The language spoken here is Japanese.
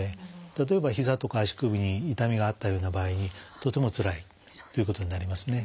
例えばひざとか足首に痛みがあったような場合にとてもつらいということになりますね。